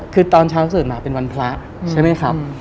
คือตอนเช้าตื่นมาเป็นวันพระใช่ไหมครับ